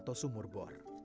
atau sumur bor